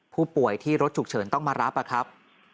ผู้ป่วยที่รถฉุกเฉินต้องมารับนะครับ